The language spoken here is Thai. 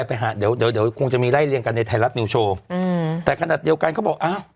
อะไรไปหาเดี๋ยวคงจะมีไล่เลี่ยงกันในไทยละทมิวโชว์แต่ขณะเดียวกันเขาบอก